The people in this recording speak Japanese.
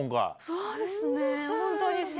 そうですね。